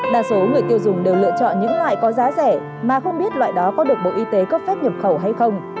đa số người tiêu dùng đều lựa chọn những loại có giá rẻ mà không biết loại đó có được bộ y tế cấp phép nhập khẩu hay không